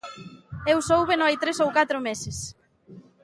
Eu sóubeno hai tres ou catro meses.